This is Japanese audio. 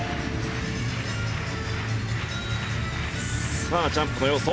さあジャンプの要素